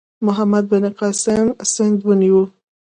محمد بن قاسم سند ونیو.